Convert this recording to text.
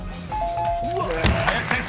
［林先生。